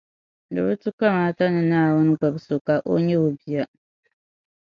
Di bi tu kamaata ni Naawuni gbibi so ka o nyɛ O bia.